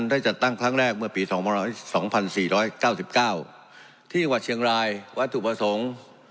ได้จัดตั้งครั้งแรกเมื่อปีสองพันสี่ร้อยเก้าสิบเก้าที่หวัดเชียงรายหวัดถุประสงค์